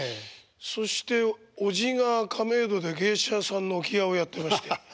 そしておじが亀戸で芸者さんの置き屋をやってまして。